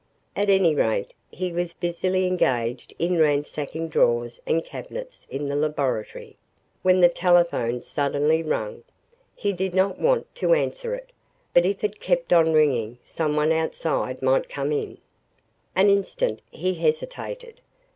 At any rate he was busily engaged in ransacking drawers and cabinets in the laboratory, when the telephone suddenly rang. He did not want to answer it, but if it kept on ringing someone outside might come in. An instant he hesitated.